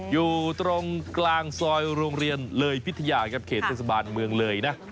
อยู่ตรงกลางซอยโรงเรียนเลยพิทยาครับเขตเทศบาลเมืองเลยนะ